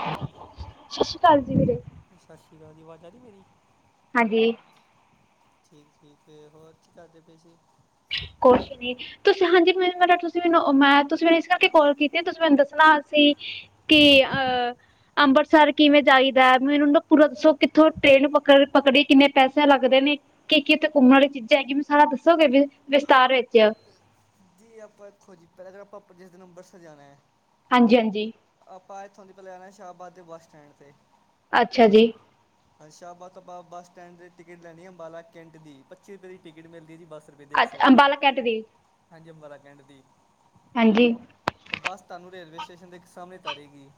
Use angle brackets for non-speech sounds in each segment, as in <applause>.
Hello, ਸਤਿ ਸ਼੍ਰੀ ਅਕਾਲ ਜੀ ਵੀਰੇ। ਸਤਿ ਸ਼੍ਰੀ ਅਕਾਲ ਜੀ, ਆਵਾਜ਼ ਆ ਰਹੀ ਮੇਰੀ? ਹਾਂਜੀ ਠੀਕ-ਠੀਕ, ਹੋਰ ਕੀ ਕਰਦੇ ਪਏ ਸੀ? ਕੁਛ ਨੀ ਤੁਸੀਂ ਹਾਂਜੀ ਮ ਮ ਤੁਸੀਂ ਮੈਨੂੰ ਮੈਂ ਤੁਸੀਂ ਮੈਨੂੰ ਇਸ ਕਰਕੇ ਕਾਲ ਕੀਤੀ ਤੁਸੀਂ ਮੈਨੂੰ ਦੱਸਣਾ ਸੀਂ ਕਿ ਅਹ ਅੰਮ੍ਰਿਤਸਰ ਕਿਵੇਂ ਜਾਈਦਾ ਮੈਨੂੰ ਨਾ ਪੂਰਾ ਦੱਸੋ ਕਿੱਥੋਂ ਟ੍ਰੇਨ ਪਕ ਘੱਟੋ ਘੱਟ ਦੀ ਕਿੰਨੇ ਪੈਸੇ ਲੱਗਦੇ ਨੇ, ਕਿ ਕੀ ਕਿੱਥੇ ਘੁੰਮਣ ਚੀਜ਼ਾਂ ਹੈਗੀਆਂ ਮੈਨੂੰ ਸਾਰਾ ਦੱਸੋਗੇ ਵੀ ਵਿਸਥਾਰ ਵਿੱਚ ਕੀ ਆਪਾਂ ਦੇਖੋ ਜੀ, ਪਹਿਲਾਂ ਅਗਰ ਆਪਾਂ ਜਿਸ ਦਿਨ ਅੰਬਰਸਰ ਜਾਣਾ ਹੈ ਹਾਂਜੀ ਹਾਂਜੀ ਆਪਾਂ, ਇੱਥੋਂ ਦੀ ਪਹਿਲੇ ਜਾਣਾ ਸ਼ਾਹਬਾਦ ਦੇ ਬੱਸ ਸਟੈਂਡ ਤੇ ਅੱਛਾ ਜੀ ਸ਼ਾਹਬਾਦ ਤੋਂ ਬਾਅਦ, ਆਪਾਂ ਬੱਸ ਸਟੈਂਡ ਤੇ ਟਿਕਟ ਲੈਣੀ ਆ ਅੰਬਾਲਾ ਕੈਂਟ ਦੀ, ਪੱਚੀ ਰੁਪਏ ਦੀ ਟਿਕਟ ਮਿਲਦੀ ਜੀ ਬੱਸ ਅਛ ਅੰਬਾਲਾ ਕੈਂਟ ਦੀ ਅੰਬਾਲਾ ਕੈਂਟ ਦੀ ਹਾਂਜੀ ਬਸ, ਤੁਹਾਨੂੰ ਰੇਲਵੇ ਸਟ ਸਟੇਸ਼ਨ ਦੇ ਸਾਹਮਣੇ ਉਤਾਰੇਗੀ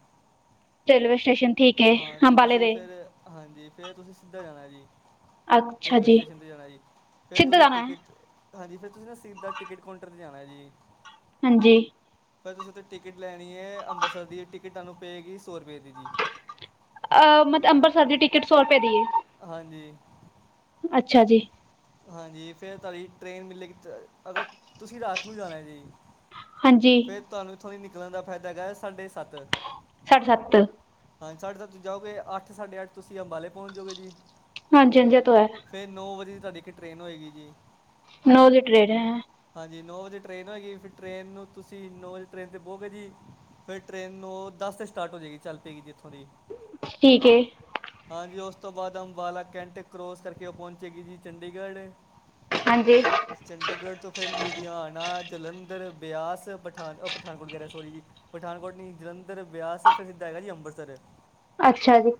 ਰੇਲਵੇ ਸਟੇਸ਼ਨ ਠੀਕ ਹੈ ਹਾਂਜੀ, ਅੰਬਾਲੇ ਤੁਸੀਂ ਦੇ ਫਿਰ ਹਾਂਜੀ, ਫਿਰ ਤੁਸੀਂ ਸਿੱਧਾ ਜਾਣਾ ਜੀ ਅੱਛਾ ਰੇਲਵੇ ਜੀ ਸਟੇਸ਼ਨ ਤੇ ਜਾਣਾ ਜੀ, ਫੇਰ ਸਿੱਧਾ ਤੁਸੀਂ ਜਾਣਾ ਹੈ ਟਿਕਟ ਹਾਂਜੀ, ਫਿਰ ਤੁਸੀਂ ਨਾ ਸਿੱਧਾ ਟਿਕਟ ਕਾਊਂਟਰ ਤੇ ਜਾਣਾ ਜੀ ਹਾਂਜੀ ਫੇਰ ਤੁਸੀਂ ਉਥੋਂ ਟਿਕਟ ਲੈਣੀ ਹੈ, ਅੰਬਰਸਰ ਦੀ ਟਿਕਟ, ਤੁਹਾਨੂੰ ਪਏਗੀ ਸੌ ਰੁਪਏ ਦੀ ਜੀ ਅਹ ਮਤਲਬ, ਅੰਬਰਸਰ ਦੀ ਟਿਕਟ ਸੌ ਰੁਪਏ ਦੀ ਹੈ ਹਾਂਜੀ ਅੱਛਾ ਜੀ ਹਾਂਜੀ, ਫਿਰ ਤੁਹਾਡੀ ਟ੍ਰੇਨ ਮਿਲੇਗੀ ਅਗਰ ਤੁਸੀਂ ਰਾਤ ਨੂੰ ਜਾਣਾ ਜੀ,। ਹਾਂਜੀ ਫੇਰ ਤੁਹਾਨੂੰ ਇੱਥੋਂ ਦੀ ਨਿਕਲਣ ਦਾ ਫ਼ਾਇਦਾ ਹੈਗਾ ਸਾਢੇ ਸੱਤ ਸਾਢੇ -ਸੱਤ ਸਾਢੇ ਸੱਤ ਜਾਓਗੇ, ਅੱਠ ਸਾਢੇ ਅੱਠ, ਤੁਸੀਂ ਅੰਬਾਲੇ ਪਹੁੰਚ ਜਾਓਗੇ ਜੀ। ਹਾਂਜੀ, ਹਾਂਜੀ ਇਹ ਤੋ ਹੈ। ਫਿਰ ਨੌ ਵਜੇ ਦੀ ਤੁਹਾਡੀ ਇੱਕ ਟ੍ਰਰੇਨ ਹੋਏਗੀ ਜੀ। ਨੌ ਲੀਟਰ ਰਹਿ ਗਿਆ ਹੈ। ਹਾਂਜੀ ਨੌ ਵਜੇ ਟ੍ਰਰੇਨ ਹੋਏਗੀ, ਫਿਰ ਟਰੇਨ ਨੂੰ ਤੁਸੀਂ ਨੌ ਵਜੇ ਟ੍ਰੇਨ 'ਤੇ ਬਹੋਗੇ ਜੀ। ਫੇਿਰ ਟ੍ਰਰੇਨ ਨੂੰ ਦਸ ਤੇ ਸਟਾਰਟ ਹੋ ਜਾਏਗੀ ਚੱਲ ਪਏਗੀ ਜੀ ਇੱਥੋਂ ਦੀ ਠੀਕ ਏ ਹਾਂਜੀ ਉਸ ਤੋਂ ਬਾਅਦ ਅੰਬਾਲਾ ਕੈਂਟ ਕਰੋਸ ਕਰਕੇ ਉਹ ਪਹੁੰਚੇਗੀ ਜੀ ਚੰਡੀਗੜ੍ਹ ਹਾਂਜੀ ਫੇਰ ਲੁਧਿਆਣਾ ਜਲੰਧਰ ਜੰਰ ਬਿਆਸ ਪਠਾਨ ਪਠਾਨਕੋਟ ਵਗੈਰਾ ਸੋਰੀ ਜੀ ਪਠਾਨਕੋਟ ਨਹੀਂ ਜਲੰਧਰ, ਬਿਆਸ ਫਿਰ ਸਿੱਧਾ ਹੈਗਾ ਜੀ ਅੰਬ ਅੰਮ੍ਰਿਤਸਰ ਅੱਛਾ ਜੀ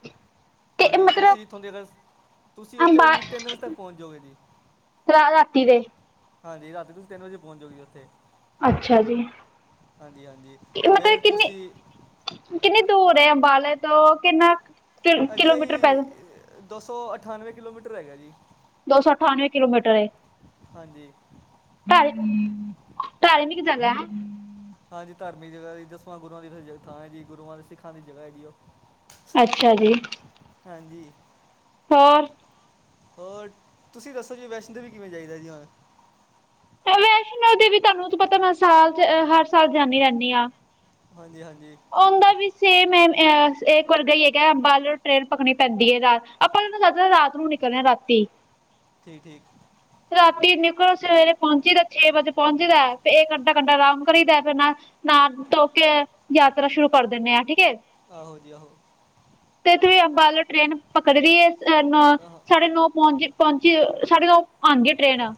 ਤੇ ਹਾਂਜੀ ਮਤਲਬ ਤੁਸੀਂ ਇਥੋਂ ਦੇ ਅਗਰ ਤੁਸੀਂ ਉੱਥੇ ਜੀ ਤਿੰਨ ਵਜੇ ਤੱਕ ਪਹੁੰਚ ਜਾੋਗੇ ਜੀ ਸ਼ਰਾ ਰਾਤੀ ਦੇ ਹਾਂਜੀ ਰਾਤੀ ਨੂੰ ਤਿੰਨ ਵਜੇ ਪਹੁੰਚੋਗੇ ਉਥੇ ਅੱਛਾ ਜੀ ਹਾਂਜੀ ਮਤਲਬ ਫਿਰ ਕਿੰਨੀ ਤੁਸੀਂ ਕਿੰਨੀ ਦੂਰ ਹੈ ਅੰਬਾਲਾ ਤੋਂ ਕਿੰਨਾ ਅਜਿਹਾ ਕਿਲੋਮੀਟਰ ਹੀ ਪੈਦਾਲ ਦੋ ਸੌ ਅਠਾਨਵੇਂ ਕਿਲੋਮੀਟਰ ਹੈਗਾ ਜੀ ਦੋ ਸੌ ਅਠਾਨਵੇਂ ਕਿਲੋਮੀਟਰ ਹਾਂਜੀ ਧਾਰਮਿਕ ਜਗ੍ਹਾ ਹੈ ਹਾਂਜੀ ਧਾਰਮਿਕ ਜਗ੍ਹਾ ਦਸਵਾਂ ਗੁਰੂਆਂ ਦੀ ਥਾਂ ਹੈ ਜੀ ਗੁਰੂਆਂ ਦੇ ਸਿੱਖਾਂ ਦੀ ਜਗ੍ਹਾ ਹੈ ਜੀ ਉਹ ਅੱਛਾ ਜੀ ਹਾਂਜੀ ਫਰ ਹੋਰ ਤੁਸੀਂ ਦੱਸੋ ਜੀ ਵੈਸ਼ਨੋ ਦੇਵੀ ਕਿਵੇਂ ਚਾਹੀਦਾ ਜੀ ਹੁਣ ਵੈਸ਼ਨੋ ਦੇਵੀ, ਤੁਹਾਨੂੰ ਤੂੰ ਪਤਾ ਮੈਂ ਸਾਲ ਚ ਹਰ ਸਾਲ ਜਾਂਦੀ ਰਹਿੰਦੀ ਹਾਂ। ਹਾਂਜੀ ਹਾਂਜੀ ਉਹਦਾ ਵੀ ਸੇਮ ਹੈ ਅ ਇੱਕ ਵਰਗਾ ਹੀ ਬੱਲ ਟ੍ਰੇਨ ਪਕਣੀ ਪੈਂਦੀ ਹੈ ਰਾਤ ਆਪਾਂ ਇਹਨੂੰ ਦੱਸਦੇ ਰਾਤ ਨੂੰ ਨਿਕਲਣੇ ਰਾਤੀ ਠੀਕ ਠੀਕ ਰਾਤੀ ਇੰਨੀੇ ਸਵੇਰੇ ਪਹੁੰਚੀ ਦਾ ਛੇ ਵਜੇ ਪਹੁੰਚਦਾ ਇਹ ਘੰਟਾ ਘੰਟਾ ਆਰਾਮ ਕਰੀਦਾ ਫਿਰ ਨਾ ਧੋ ਕੇ ਯਾਤਰਾ ਸ਼ੁਰੂ ਕਰ ਦਿੰਦੇ ਆਾਂ ਠੀਕ ਏ ਆਹੋ ਜੀ ਆਹੋ ਵੱਲ ਟ੍ਰੇਨ ਪਕੜ ਰਹੀ ਹੈਹ ਆਹ ਸਾਡੇ ਨੌ ਪਹੁੰਚ ਪਹੁੰਚੀ ਸਾਢੇ ਨੌ ਆਾਂਗੇ ਟ੍ਰੇਨ ਆ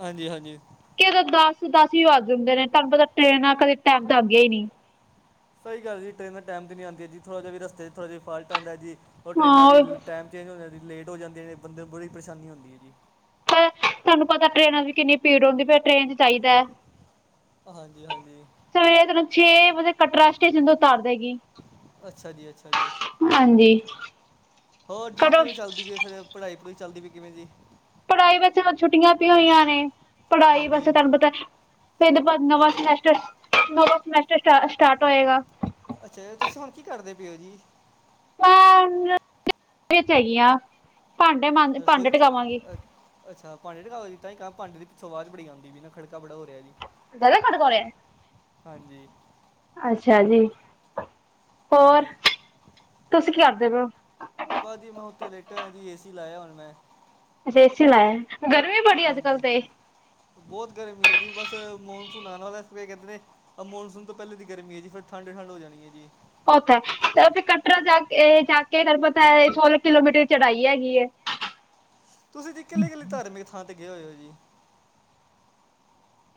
ਹਾਂਜੀ ਹਾਂਜੀ ਕਿਤੇ ਦੱਸਾਂ ਦਸ ਵੀ ਵੱਜ ਜਾਂਦੇ ਨੇ ਤੁਹਾਨੂੰ ਪਤਾ ਟਰੇਨਾਂ ਕਦੇ ਟਾਈਮ ਦਾ ਆਗ ਗਿਆ ਹੀ ਨਹੀਂ ਸਹੀ ਗੱਲ ਟ੍ਰੇਨਰ ਟਾਈਮ ਤੇ ਨਹੀਂ ਆਉਂਦੀਆਂ ਥੋੜਾ ਜਿਹਾ ਵੀ ਰਸਤੇ ਚ ਥੋੜਾ ਜਿਹਾ ਫਾਲਟ ਆਂਦਾ ਜੀ ਉਹ ਟ੍ਰਰੇਨਾਂ ਦੀ ਟਾਈਮ ਚੇਂਜ ਹੋ ਜਾਂ ਲੇਟ ਹੋ ਜਾਂਦੀ ਨੇ ਬੰਦੇ ਨੂੰ ਬੜੀੇ ਪਰੇਸ਼ਾਨੀ ਹੁੰਦੀ ਹੈ ਜੀ ਪਰ ਤੁਹਾਨੂੰ ਪਤਾ ਟ੍ਰੇਨਾਂ ਚ ਕਿੰਨੀ ਪੀੜ ਹੁੰਦੀ ਟ੍ਰੇਨ ਚ ਚਾਹੀਦਾ ਹੈ ਹਾਂਜੀ ਹਾਂਜੀ ਸਵੇਰੇ ਤੈਨੂੰ ਛੇ ਵਜੇ ਕਟਰਾ ਸਟ ਤੋਂ ਉਤਾਰ ਦੇਗੀ ਅੱਛਾ ਜੀ ਅੱਛਾ ਜੀ ਹਾਂਜੀ। ਹੋਰ ਜੀ ਕਟਰਾ ਕਿਵੇਂ ਚੱਲਦੀ ਪਈ ਫਿਰ ਪੜ੍ਹਾਈ ਪੜ੍ਹੁਈ ਚੱਲਦੀ ਪਈ ਕਿਵੇਂ ਜੀ ਪੜ੍ਹਾਈ ਵਿੱਚ ਛੁੱਟੀਆਂ ਪ ਹੋਈਆਂ ਨੇ ਪੜ੍ਹਾਈ ਹਾਂਜੀ ਵੈਸੇ ਤੁਹਾਨੂੰ ਪਤਾ ਫਰ ਇਹਦੇ ਬਾਅਦ ਅੱਛਾ ਨਵਾਂਸਮੇਂਸਟਰ ਨ ਸਮੈਸਟਰ ਸਟ ਸਟਾਰਟ ਹੋਏਗਾ ਅੱਛਾ ਤੁਸੀਂ ਹੁਣ ਕੀ ਕਰਦੇ ਪਏਓ ਜੀ ਹੈਗੀਆਂ ਰਸੋਈ ਅੱਛਾ ਭਾਂਡੇ ਰਕਾ ਦੀ ਤਾਂ ਹੀ ਭਾਂਡੇ ਦੀ ਸਵਾਦ ਬੜੀ ਆਉਂਦੀ ਵੀ ਨਾ ਖੜਕ ਗੱਲ ਖੜ ਕੋ ਹਾਂਜੀ ਅੱਛਾ ਜੀ ਹੋਰ ਹਾਂਜੀ ਤੁਸੀਂ ਕੀ ਕਰਦੇ ਪ ਹੋ ਬਾ ਜੀ ਮੈਂ ਉੱਥੇ ਲੇਟਾ ਹੋਇਆ ਜੀ ਏ ਸੀ ਲਾਇਆ ਹੁਣ ਮੈਂ ਅੱਛ ਏਸੀ ਲਾਇਆ ਗਰਮੀ ਬੜੀ ਅੱਜ ਕੱਲ ਹਾਂਜੀ, ਤੇ ਬਹੁਤ ਗਰਮੀ ਹੈ ਜੀ ਬਸ ਮ ਧੁਣਨਾਂ ਵਾਲਾ ਇਹ ਕਹਿੰਦੇ ਆ ਮੌਨਸੂਨ ਤੋਂ ਪਹਿਲੇ ਦੀ ਗਰਮੀ ਹੈ ਜੀ ਫਿਰ ਠੰਡ-ਠੰਡ ਆ ਜਾਣੀ ਐ ਜੀ। ਉੱਥੇ ਤੇ ਉਥੇ ਕਟਰਾ ਜਾ-ਜਾ ਕੇਰਪਤ ਸੋਲਾਂ ਕਿਲੋਮੀਟਰ ਚੜਾਈ ਹੈਗੀ ਐ, ਤੁਸੀਂ ਜੀ ਇਕੱਲ ਇਕੱਲੀ ਧਾਰਮਿਕ ਥਾਂ ਤੇ ਗਏ ਹੋਏ ਹੋ ਜੀ?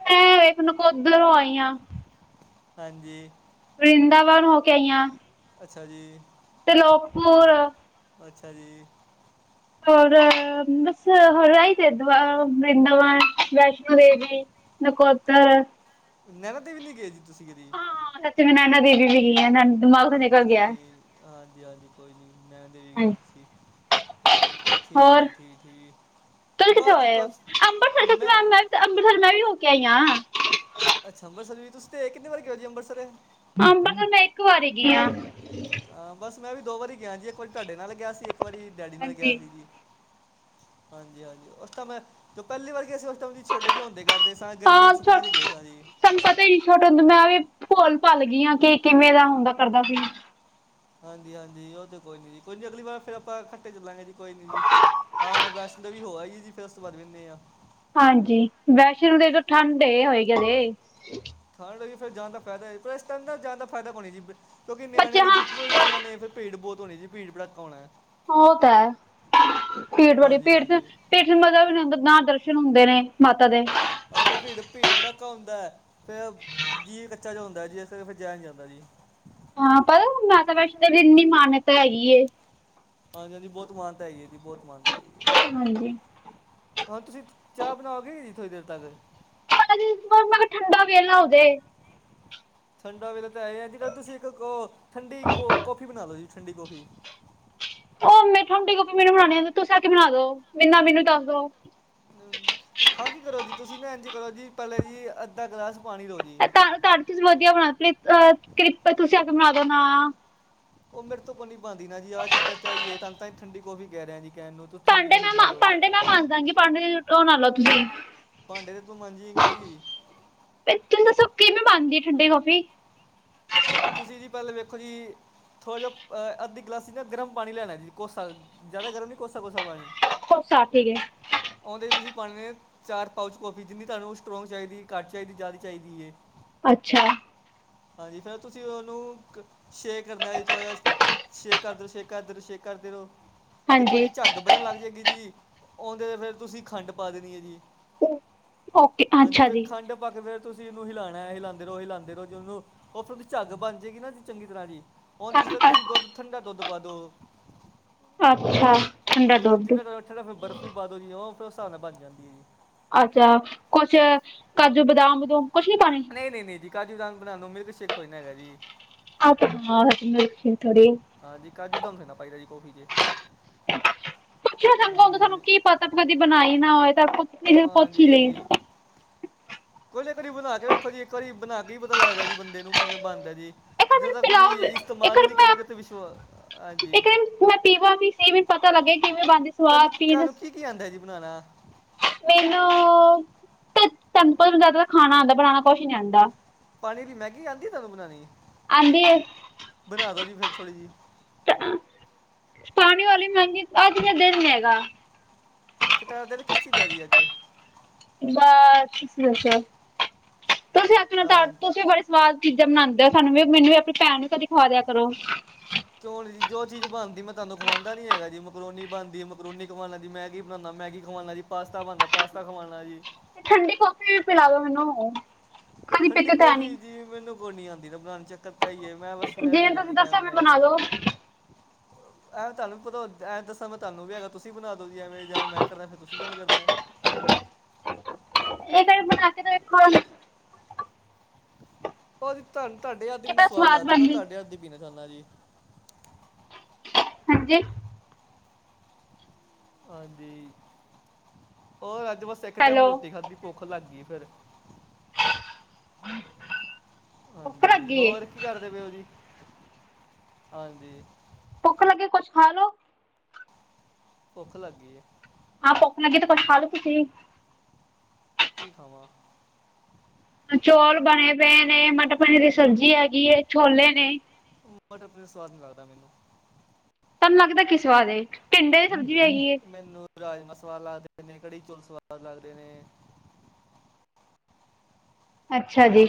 ਮੈਂ ਵੇਖ ਨਕੋਦਰੋਂ ਆਈ ਆ। ਹਾਂਜੀ, ਵਰਿੰਦਾਵਨ ਹੋ ਕੇ ਆਈ ਆਂ। ਅੱਛਾ ਜੀ, ਤੇ ਲੋਗਪੁਰ ਅੱਛਾ ਜੀ, ਹੋਰ ਬਸ ਹਰਈ ਤੇਦ ਵਰਿਦਾਵਨ ਵੈਸ਼ਨੋ ਦੇਵੀ, ਨਾਕੋਦਰ, ਨੇਨਾ ਦੇਵੀ ਤੇ ਵੀ ਨੀ ਗਏ ਜੀ, ਤੁਸੀਂ ਕਦੀ? ਹੈਗੀ ਆ। ਦਿਮਾਗ ਤੋਂ ਨਿਕਲ ਅੱਛਾ ਗਿਆ। ਜੀ, ਹਾਂਜੀ-ਹਾਂਜੀ ਕੋਈ ਨੀ ਮੈਂ ਦੇਵੀ ਗਏ ਹਾਂਜੀ। ਸੀ। ਠੀਕ-ਠੀਕ-ਠੀਕ-ਠੀਕ, ਕੱਲ ਕਿੱਥੇ ਆਏ ਹੋ, ਅੰਮ੍ਰਿਤਸਰ ਮੈਂ ਮੈਂ ਅੰਮ੍ਰਤਸਰ ਮੈਂ ਵੀ ਹੋ ਕੇ ਆਈ ਆ। ਅੱਛਾ ਅੰਮ੍ਰਿਤਸਰ ਵੀ ਤੁਸੀਂ ਕਿੰਨੀ ਵਾਰੀ ਗਏ ਔ ਜੀ ਅੰਮ੍ਰਿਤਸਰ, ਅੰਬਰਸਰ ਮੈਂ ਇੱਕ ਵਾਰੀ ਗਈ ਆ। ਹਾਂ ਬਸ ਮੈਂ ਵੀ ਦੋ ਵਾਰੀ ਗਿਆ ਜੀ, ਇੱਕ ਵਾਰੀ ਤੁਹਾਡੇ ਨਾਲ ਗਿਆ ਸੀ ਇੱਕ ਇੱਕ ਵਾਰੀ ਡੈਡੀ ਨਾਲ ਗਿਆ ਹਾਂਜੀ ਸੀ, ਜੀ ਹਾਂਜੀ-ਹਾਂਜੀ ਉਸਦਾ ਮੈਂ ਜੋ ਪਹਿਲੀ ਵਾਰ ਗਿਆ ਸੀ। ਜੀ ਛੋਟੇ ਜਿਹੇ ਹੁੰਦੇ ਕਰਦੇ, ਸਾਂ ਗਰਮੀ ਦੀ ਹਾਂ ਛੋ ਛੁਟੀਆਂ ਚ ਗਏ ਸਾਂ ਜੀ। ਭੁਲ-ਭੱਲ ਗਈਆਂ ਕਿ ਕਿਵੇਂ ਦਾ ਹੁੰਦਾ ਕਰਦਾ ਸੀ। ਹਾਂਜੀ-ਹਾਂਜੀ, ਉਹ ਤੇ ਕੋਈ ਨੀ ਜੀ ਕੋਈ ਨੀ ਅਗਲੀ ਵਾਰ ਫੇਰ ਆਪਾਂ ਖੱਟੇ ਚੱਲਾਂਗੇ ਜੀ। ਕੋਈ ਨੀ ਜੀ ਆਹ ਹੁਣ ਵੈਸ਼ਨੋ ਦੇਵੀ ਹੋਆ, ਜੀ ਫੇਰ ਉਸ ਤੋਂ ਬਾਅਦ ਵੀ ਇਨਦੇ ਆ। ਹਾਂਜੀ, ਵੈਸ਼ਨੋ ਦੇਵੀ ਠੰਡ ਹੋਏਗੀ ਹਲੇ। ਖਾਣ ਲੱਗੀ ਫੇਰ ਜਾਣ ਦਾ ਫਾਇਦਾ, ਪਰ ਇਸ ਤਰ੍ਹਾਂ ਦਾ ਜਾਣ ਦਾ ਫਾਇਦਾ ਪਾਣੀ ਜੀ। ਕਿਉਂਕਿ ਬੱਚੇ ਨਿਆਣਿਆਂ ਦੀ ਹਾਂ ਛੁੱਟੀਆਂ ਹੋਈ ਨੇ ਫੇਰ ਭੀੜ ਬਹੁਤ ਹੋਣੀ ਜੀ ਭੀੜ ਭੜਾਕ ਬਹੁਤ ਹੋਣਾ। ਉਹ ਤਾਂ ਹੈ ਭੀੜ ਬੜੀ ਹਾਂਜੀ ਭੀੜ ਚ ਹਾਂਜੀ ਪੀੜ ਚ ਮ ਵੀ ਨੀ ਹੁੰਦਾ। ਦ ਹੁੰਦੇ ਨੇ ਮਾਤਾ ਦੇ, ਹਾਂਜੀ, ਉਹ ਭੀੜ ਭੀੜ ਪਟਾਕਾ ਹੁੰਦਾ ਹੈ, ਫੇਰ ਜੀਅ ਕੱਚਾ ਜਿਹਾ ਹੁੰਦਾ ਜੀ ਇਸ ਕਰਕੇ ਫਿਰ ਜਾਇਆ ਨੀ ਜਾਂਦਾ ਜੀ। ਹਾਂ ਪਤਾ ਮਾਤਾ ਵੈਸ਼ਨੋ ਦੇ ਇੰਨੀ ਮਾਨਤਾ ਹੈਗੀ ਐ। ਹਾਂਜੀ-ਹਾਂਜੀ, ਬਹੁਤ ਮਾਨਤਾ ਹੈਗੀ ਐ, ਜੀ ਬਹੁਤ ਮਾਨਤਾ ਹਾਂਜੀ ਹਾਂ ਤੁਸੀਂ ਚਾਹ ਬਣਾਓਗੇ, ਜੀ ਥੋੜੀ ਦੇਰ ਤੱਕ? ਮੈਂ ਕਿਹਾ ਠੰਡਾ ਵੇਹਲਾ ਹੋਜੇ। ਠੰਡਾ ਵੇਲੇ ਤਾਂ ਇਹ ਆ ਜਿਹੜਾ ਤੁਸੀਂ ਇੱਕ ਠੰਡੀ ਕੌਫੀ ਬਣਾ ਲਓ ਜੀ। ਠੰਡੀ ਕੌਫੀ, ਉਹ ਮੇ ਠੋਡੀ ਗੋਭੀ ਮੈਨੂੰ ਬਣਾਣੀ ਹੁੰਦੀ ਤੁਸੀ ਆ ਕੇ ਬਣਾ ਦੋ ਮਿੰਨਾ ਮੈਨੂੰ ਦੱਸ ਦੋ ਹਾਂ ਕੀ ਕਰੋ ਜੀ, ਤੁਸੀਂ ਨਾ ਇਝ ਕਰੋ ਜੀ ਪਹਿਲੇ ਜੀ ਅੱਧਾ ਗਲਾਸ ਪਾਣੀ ਲਓ ਜੀ ਤੁਹਾ ਤੁਸੀਂ ਵਧੀਆ ਬਣਾ ਕਿਰਪਾ ਤੁਸੀਂ ਆ ਕੇ ਬਣਾ ਦੋ ਨਾ, ਉਹ ਮੇਰੇ ਤੋਂ ਕੋਨੀ ਬਣਂਦੀ ਨਾ ਜੀ ਆਹ ਚੱਕਰ ਤੇ ਆਈਏ, ਤਨ ਤਾਂ ਠੰਡੀ ਕੌਫੀ ਕਹਿ ਰਿਹਾ ਜੀ। ਕਹਿਣ ਨੂੰ ਤੂੰ ਠੰਡੀ ਭਾਂਡੇ ਕੌਫੀ ਬਣਾ ਮੈਂ ਲਓ ਪਾਂਡੇ ਮੈਂ ਮਾਜਦਗੀ ਪਾਂਡੇ ਔ ਨਾ ਲਓ ਤੁਸੀਂ ਭਾਂਡੇ ਤੇ ਤੂੰ ਮਾਜੇਗੀ। ਦੱਸੋ ਕਿਵੇਂ ਬਣਦੀ ਐ ਠੰਡੀੇ ਕੌਫੀ? ਪੁੱਖਰੀ, ਥੋੜ੍ਹਾ ਜਿਹਾ ਅੱਧੀ ਗਲਾਸੀ ਨਾ ਗਰਮ ਪਾਣੀ ਲੈਣਾ, ਜੀ ਕੋਸਾ ਜ਼ਿਆਦਾ ਗਰਮ ਨਹੀਂ ਕੋਸਾ ਕੋਸਾ ਪਾਣੀ ਹੋਰ ਸਾ ਠੀਕ ਹੈ, ਆਉਂਦੇ ਹੀ ਤੁਸੀਂ ਪਾਣੇ ਨੇ ਚਾਰ ਪਾਊਚ ਕੋਫੀ ਜਿੰਨੀ ਤੁਹਾਨੂੰ ਸਟਰੋਂਗ ਚਾਹੀਦੀ, ਘੱਟ ਚਾਹੀਦੀ ਜ਼ਿਆਦਾ ਚਾਹੀਦੀ ਹੈ। ਅੱਛਾ। ਹਾਂਜੀ ਫੇਰ ਤੁਸੀਂ ਉਹਨੂੰ ਛੇ ਕਰਨਾ ਜ ਥੋ ਜਿਹਾ ਛੇਕਧਰ ਛੇਕਧਰ ਛੇਕ ਕਰਦੇ ਰੋ ਤੇ ਹਾਂਜੀ ਤੁਹਾਡੀ ਝੱਗ ਬਣਨ ਲੱਗ ਜਾਏਗੀ ਜੀ ਆਉਂਦੇ ਤੇ ਫਿਰ ਤੁਸੀਂ ਖੰਡ ਪਾ ਦੇਣੀ ਹੈ ਜੀ ਓਕੇ ਹਾਂਜੀ ਅੱਛਾ ਫਿਰ ਜੀ। ਖੰਡ ਪਾ ਕੇ ਫਿਰ ਤੁਸੀਂ ਇਹਨੂੰ ਹਿਲਾਣਾ ਹੈ ਹਿਲਾਂਦੇ ਰੋ-ਹਿਲਾਂਦੇ ਰੋ ਜਦੋਂ ਉਹਤੋਂ ਦੀ ਝੱਗ ਬਣ ਜਾਏਗੀ ਚੰਗੀ ਤਰ੍ਹਾਂ ਜੀ ਉਹ ਜਿਸ ਵੇ ਤੁਸੀਂ ਦੁੱਧ ਠੰਡਾ ਦੁੱਧ ਪਾ ਦੋ ਅੱਛਾ਼। ਹਾਂਜੀ ਜਿਹਦੇ ਨਾਲ ਠ ਫਿਰ ਬਰਫ਼ ਵੀ ਨਾਲੋਂ ਜੀ ਫਿਰ ਉਹ ਉਸ ਹਿਸਾਬ ਨਾਲ ਬਣ ਜਾਂਦੀ ਏ। ਅੱਛਾ ਕੁਛ ਕਾਜੂ, ਬਦਾਮ-ਬਦੂਮ ਕੁਛ ਨੀ ਪਾਣੇ? ਨਹੀਂ ਨਹੀਂ ਨਹੀਂ ਜੀ ਕਾਜੂ ਬਦਾਮ ਬਣਾ ਨੂੰ ਮਿਲਕ ਸ਼ੇਕ ਥੋੜੀ ਨਾ ਹੈਗਾ ਜੀ। <unintelligible> ਹਾਂਜੀ ਕਾਜੂ ਬਦਾਮ ਥੌੜੀ ਨਾ ਪਾਈਦਾ ਜੀ ਕੋੌਫੀ ਚ ਪੁੱਛਣਾ ਚੰਗਾ ਹੁੰਦਾ, ਸਾਨੂੰ ਹਾਂਜੀ ਕੀ ਪਤਾ ਕਦੀ ਬਣਾਈ ਨਾ ਹੋਏ। ਤਾਂ ਪੁੱਛ ਹੀ ਲਈ- ਕੁਛ ਇੱਕ ਵਾਰੀ ਬਣਾਕੇ ਵੇਖੋ ਜੀ, ਇੱਕ ਵਾਰੀ ਬਣਾ ਕੇ ਹੀ ਪਤਾ ਲੱਗਦਾ ਜੀ ਬੰਦੇ ਨੂੰ ਕਿਵੇਂ ਬਣਦਾ ਜੀ। ਇੱਕ ਵਾਰ ਜਿੱ ਮੈਨੂੰ ਦਾੱਕ ਤੁਸੀਂ ਪਿਲਾਓ ਇੱਕ ਇਸਤੇਮਾਲ ਵਾਰ ਨਹੀਂ ਮੈਂ ਕਰੋਗੇ ਕਿਤੇ ਵਿਸ਼ਵਾ ਹਾਂਜੀ ਇੱਕ ਦਿਨ ਮੈਂ ਪੀਵਾਂ ਵੀ ਸਹੀ ਮੈਨੂੰ ਪਤਾ ਲੱਗੇ ਕਿਵੇਂ ਬਣਦੀ ਸਵਾਦ ਚੀਜ ਬਣਾਣਾ ਮੈਨੂੰ ਤਾਨ ਪਤਾ ਜ਼ਿਆਦਾ ਖਾਣਾ ਆਦਾ ਬਣਾਣਾ ਕੁਛ ਨਹੀਂ ਆਦਾ। ਪਾਣੀ ਦੀ ਮੈਗੀ ਆਉਂਦੀ ਆ ਤੁਹਾਨੂੰ ਬਣਾਉਣੀ ਆਉਂਦੀ ਬਣਾ ਦੋ ਜੀ ਫਿਰ ਥੋੜ੍ਹੀ ਜਿਹੀ ਪਾਣੀ ਵਾਲੀ ਮਹਿੰਗੀ ਅੱਜ ਨਾ ਦਿਨ ਨੀ ਹੈਗਾ। ਟਦੇ ਕਿਸ ਦਾ ਜੀ ਅੱਜੇ- ਅੱਛਾ-ਅੱਛਾ ਤੁਸੀਂ ਆਪਣਾ ਦਸ ਅਹ ਤੁਸੀ ਬੜੀ ਸਵਾਦ ਚੀਜ਼ਾਂ ਬਣਾਦੇ ਆ ਸਾਨੂੰ ਵੀ ਮੈਨੂੰ ਵੀ ਆਪਣੀ ਭੈਣ ਨੂੰ ਕਦੇ ਖਾ ਦਿਆ ਕਰੋ। ਕਿਉਂ ਜੋ ਚੀਜ਼ ਬਣਦੀ ਮੈਂ ਤਹਾਨੂੰ ਖਵਾਦਾ ਨੀ ਹੈਗਾ, ਮਕਰੋਨੀ ਬਣਦੀ ਮਕਰੋਨੀ ਕਮਾ ਲੈਂਦੀ ਮੈਂਗੀ ਬਣਾਦਾ। ਮੈਗੀ ਖਵਾਣਾ ਜੀ ਪਾਸਤਾ ਬਣਦਾ ਪਾਸਤਾ ਖਵਾਣਾ ਜੀ। ਤੇ ਠੰਡੀ ਕੌਫੀ ਵੀ ਪਿਲਾ ਦੋ ਮੈਨੂੰ- ਕਦੀ ਠੰਡੀ ਪੀਤੀ ਤਾਂ ਕੌਫੀ ਨੀ ਜੀ ਮੈਨੂੰ ਕੋ ਨੀ ਆਂਦੀ ਨਾ ਬਣਾਣੀ ਚੱਕਰ- ਇਹ ਈ ਮੈਂ ਬਸ ਜਿਵੇਂ ਸੁਣਿਆ-ਸੁਣਿਆ ਤੁਸੀਂ ਜੀ ਕੈ ਦੱਸਿਆ ਮੈਂ ਬਣਾਈ ਦੀ ਬਣਾ ਦੋ ਐਂ ਤੁਹਾਨੂੰ ਪਤਾ ਐਂ ਦੱਸਾਂ ਮੈਂ ਤੁਹਾਨੂੰ ਕਹਿ ਰਿਹਾ ਤੁਸੀਂ ਬਣਾ ਦੋ ਵੇਂ ਜਾਵੇ ਮੈਂ ਕਰਨਾ ਫਿਰ ਤੁਸੀਂ ਵੀਵੇਂ ਕਰਨਾ <unintelligible> ਉਹਜੀ ਤੁ ਤੁਹਾਡੇ ਹੱਥ ਦੀ ਮੈਨੂੰ ਕਿੱਦਾਂ ਸਵਾਦ ਲੱਗਦੀ ਮੈਂ ਬਣਦੀ ਤੁਹਾਡੇ ਹੱਥ ਦੀ ਪੀਣਾ ਚਾਹੰਦਾ ਜੀ। ਹਾਂਜੀ ਹਾਂਜੀ ਓਰ ਅੱਜ ਬਸ ਇੱਕ ਟੈਮ ਹੈਲੋ ਰੋਟੀ ਖਾਧੀ ਭੁੱਖ ਲੱਗ ਗਈ। ਫਿਰ <inaudible> ਭੁੱਖ ਹਾਂਜੀ ਲੱਗੀ ਏ ਹੋਰ ਕੀ ਕਰਦੇ ਪਏਓ ਜੀ? ਹਾਂਜੀ- ਭੁੱਖ ਲੱਗੇ ਕੁੱਛ ਖਾ ਲੋ- ਭੁੱਖ ਲੱਗ ਗਈ। ਹਾਂ ਭੁੱਖ ਲੱਗੇ ਤੇ ਕੁਛ ਖਾਲੋ ਤੁਸੀਂ ਕੀ ਖਾਵਾਂ? ਚੋਲ ਬਣੇ ਪਏ ਨੇ, ਮਟਰ ਪਨੀਰ ਦੀ ਸਬਜ਼ੀ ਹੈਗੀ ਛੋਲੇ ਨੇ- ਮਟਰ ਪਨੀਰ ਸਵਾਦ ਨੀ ਲੱਗਦਾ ਮੈਨੂੰ- ਤੁਹਾਨੂੰ ਲੱਗਦਾ ਕੀ ਸਵਾਦ ਏ? ਟਿੰਡੇ ਦੀ ਸਬਜ਼ੀ ਵੀ ਹੈਗੀ ਏ। ਇੰਨੇ ਕੜੀ ਚੌਲ ਸਵਾਦ ਲੱਗਦੇ ਨੇ- ਅੱਛਾ ਜੀ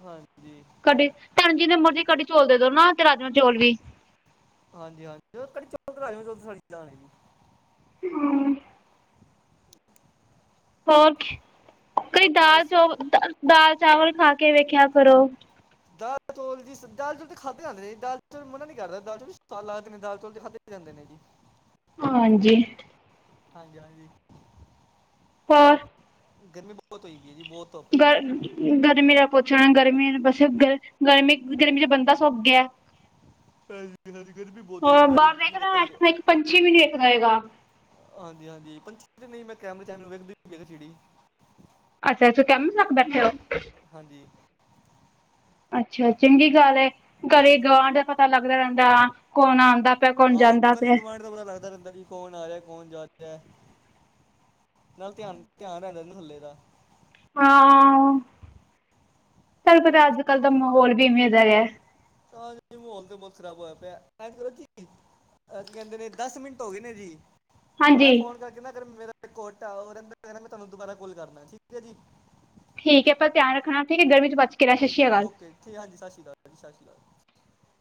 ਹਾਂਜੀ ਕਦੇ ਧਨ ਜੀ ਨੇ ਮਰਜੀ ਕਦੀ- ਚੋਲ ਦੇ ਦੋ ਨਾ ਤੇ ਰਾਜਮਾਂ ਚੌਲ ਵੀ- ਹਾਂਜੀ-ਹਾਂਜੀ <unintelligible> ਹੂੰ। ਹੋਰ ਕਈ ਬਸ ਦਾਲ-ਚੋਲ ਦਾਲ ਚਾਵਲ ਖਾ ਕੇ ਵੇਖਿਆ ਕਰੋ ਦਾਲ ਚੌਲ ਜੀ, ਦਾਲ ਚੋਲ ਤੇ ਖਾਧੇ ਆਂਦੇ ਨੇ, ਦਾਲ ਚੋਲ ਮਨਾ ਨੀ ਕਰਦਾ ਦਾਲ ਚੋਲ ਸਵਾਦ ਲੱਗਦੇ ਨੇ ਦਾਲ ਚੋਲ ਤੇ ਖਾਧੇ ਜਾਂਦੇ ਨੇ <inaudible> ਹਾਂਜੀ ਹਾਂਜੀ ਹਾਂਜੀ ਹੋਰ ਗਰਮੀ ਬਹੁਤ ਹੋਈ ਪਈ ਹੈ ਜੀ ਬਹੁਤ ਧੁੱਪ ਹੈ ਗਰ ਬਾਹਰ ਗਰਮੀ ਦਾ ਪੁੱਛਣ ਗਰਮੀ ਬਸ ਗਰਮੀ ਗਰਮੀ ਚ ਬੰਦਾ ਸੋਕ ਏ ਐ ਗਰਮੀ ਬਹੁਤ ਹੋਈ ਪਈ ਹੈ ਜੀ, ਕੀ ਕਰੀਏ? ਰਹੇਗਾ ਹਾਂਜੀ ਹਾਂਜੀ, ਪੰਛੀ ਤੇ ਨਹੀਂ ਮੈਂ ਕੈਮਰੇ ਵਿੱਚ <unintelligible> ਵੇਖਦੀ ਚਿੜੀ <unintelligible> ਰਖ ਬੈਠੇ ੳ ਹਾਂਜੀ ਅੱਛਾ, ਚੰਗੀ ਗੱਲ ਏ ਘਰੇ ਗਾਂ ਦਾ ਪਤਾ ਲੱਗਦਾ ਰਹਿੰਦਾ ਕੋਨ ਆਂਦਾ ਪਿਆ ਕੌਣ ਹਾਂ, ਜਾਂਦਾ ਗਲੀ ਪਿਆ। ਗਵਾਂਢ ਦਾ ਪਤਾ ਲੱਗਦਾ ਰਹਿੰਦੇ ਕਿ ਕੌਨ ਆ ਰਿਹਾ ਕੌਨ ਜਾ ਰਿਹਾ ਨਾਲ ਧਿਆਨ ਧਿਆਨ ਰਹਿੰਦੇ ਨਾ ਥਲੇ ਦਾ ਹਾਂ, ਚੱਲ ਪਤਾ ਅੱਜ ਕੱਲ ਦਾ ਮਾਹੌਲ ਵੀ ਇਵੇਂ ਦਾ ਐ ਹੈ ਹਾਂਜੀ, ਮੋਹਲ ਤੇ ਬਹੁਤ ਖ਼ਰਾਬ ਹੋਇਆ ਪਿਆ <unintelligible> ਅਹ ਕਹਿੰਦੇ ਨੇ ਦਸ ਮਿੰਟ ਹੋ ਗਏ ਨੇ ਜੀ, ਮੈਂ ਹਾਂਜੀ ਫੋਨ ਕਰਕੇ ਨਾ ਅਗਰ ਮੇਰਾ ਇਕ <unintelligible> ਉਹ ਰਹਿੰਦਾ ਕਹਿੰਦਾ ਮੈਂ ਤੁਹਾਨੂੰ ਦੁਬਾਰਾ ਕੋਲ ਕਰਨਾ, ਠੀਕ ਹੈ ਜੀ ਠੀਕ ਹੈ, ਅਪਨਾ ਧਿਆਨ ਰੱਖਣਾ, ਠੀਕ ਹੈ ਗਰਮੀ ਚ ਬ ਠੀਕ ਓਕੇ ਠੀਕ ਹਾਂਜੀ ਸਤਿ ਸ਼੍ਰੀ ਅਕਾਲ ਹਾਂ ਸਤਿ ਸ਼੍ਰੀ ਅਕਾਲ-